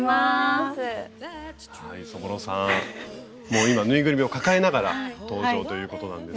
もう今ぬいぐるみを抱えながら登場ということなんですが。